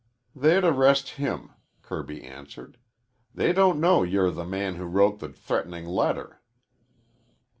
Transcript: "They'd arrest him," Kirby answered. "They don't know you're the man who wrote the threatening letter."